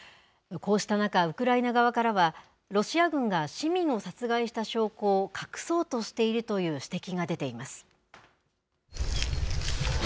こうした中、ウクライナ側からは、ロシア軍が市民を殺害した証拠を隠そうとしているという指摘が出ています。